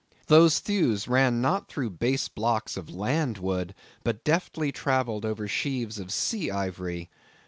Those thews ran not through base blocks of land wood, but deftly travelled over sheaves of sea ivory.